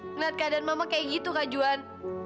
ngeliat keadaan mama kayak gitu kak juan